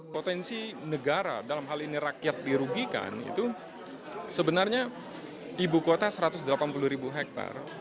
potensi negara dalam hal ini rakyat dirugikan itu sebenarnya ibu kota satu ratus delapan puluh ribu hektare